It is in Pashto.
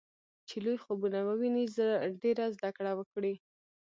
چې لوی خوبونه وويني ډېره زده کړه وکړي.